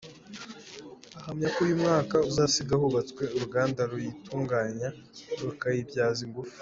Ahamya ko uyu mwaka uzasiga hubatswe uruganda ruyitunganya rukayibyaza ingufu.